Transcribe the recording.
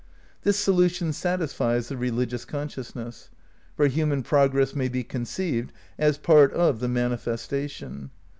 This solution satisfies the religious consciousness. For human progress may be conceived as part of the manifestation.